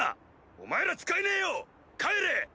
お前ら使えねえよ帰れ！